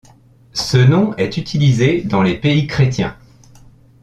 Ce nom est utilisé dans les pays chrétiens.